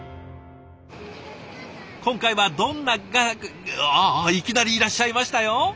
今回はどんな画伯ああいきなりいらっしゃいましたよ！